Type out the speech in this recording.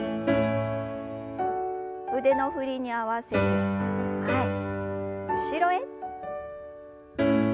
腕の振りに合わせて前後ろへ。